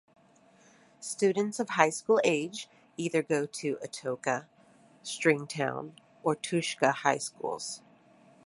Students of high school age either go to Atoka, Stringtown, or Tushka High Schools.